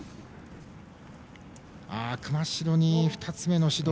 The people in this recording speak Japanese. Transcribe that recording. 熊代に２つ目の指導。